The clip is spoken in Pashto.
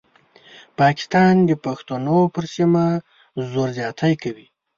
پاکستان د پښتنو پر سیمه زور زیاتی کوي.